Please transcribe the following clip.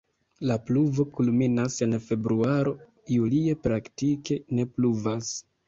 La pluvo kulminas en februaro, julie praktike ne pluvas.